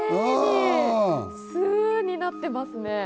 「ス」になっていますね。